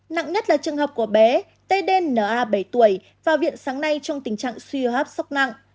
nặng nhất là trường hợp của bé t d n a bảy tuổi vào viện sáng nay trong tình trạng suy hấp sốc nặng